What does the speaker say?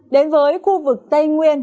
đến với khu vực tây nguyên